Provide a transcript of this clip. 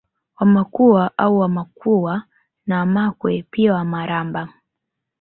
Wamakua au Wamakhuwa na Wamakwe pia Wamaraba